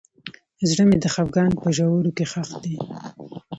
زړه مې د خفګان په ژورو کې ښخ دی.